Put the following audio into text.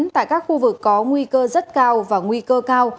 tại các khu vực có nguy cơ rất cao và nguy cơ cao